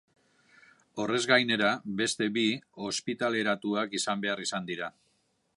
Horrez gainera, beste bi ospitaleratuak izan behar izan dira.